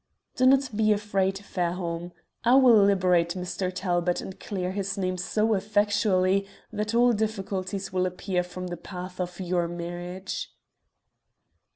"Do not be afraid, Fairholme; I will liberate Mr. Talbot and clear his name so effectually that all difficulties will disappear from the path of your marriage."